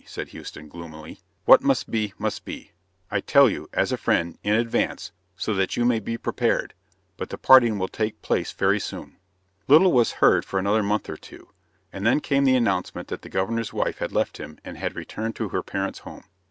said Houston, gloomily. "What must be, must be. I tell you, as a friend, in advance, so that you may be prepared; but the parting will take place very soon." Little was heard for another month or two, and then came the announcement that the Governor's wife had left him and had returned to her parents' home.